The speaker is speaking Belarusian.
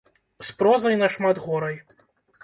З прозай нашмат горай.